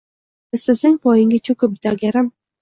Istasang, poyingga choʼkib, dagarim